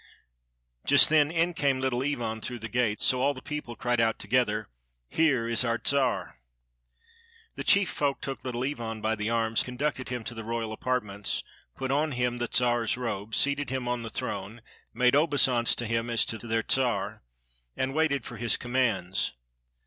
Just then in came Little Ivan through the gate, so all the people cried out together— "Here is our Czar!" The chief folk took Little Ivan by the arms, conducted him to the royal apartments, put on him the Czar's robes, seated him on the throne, made obeisance to him as to their Czar, and waited for his commands.